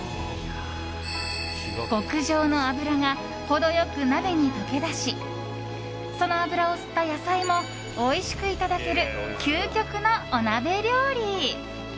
極上の脂が程良く鍋に溶け出しその脂を吸った野菜もおいしくいただける究極のお鍋料理。